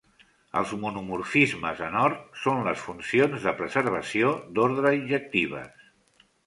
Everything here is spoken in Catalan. Els monomorfismes en Ord són les funcions de preservació d'ordre injectives.